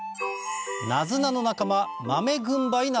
ナズナの仲間